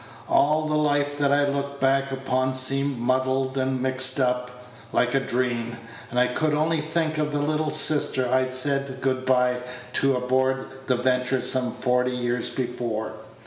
All the life that I looked back upon seemed muddled and mixed up, like a dream; and I could only think of the little sister I'd said good by to aboard the Ventur'some forty years before.